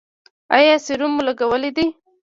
ایا سیروم مو لګولی دی؟